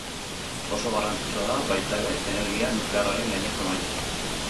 Oso garrantzitsua da, baita ere, energia nuklearraren gaineko emaitza.